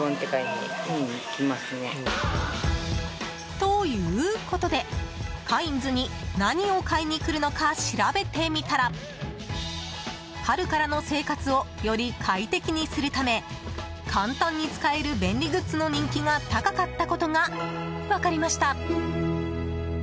ということで、カインズに何を買いに来るのか調べてみたら春からの生活をより快適にするため簡単に使える便利グッズの人気が高かったことが分かりました。